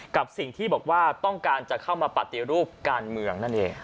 กับสิ่งที่บอกว่าต้องการจะเข้ามาปฏิรูปการเมืองนั่นเอง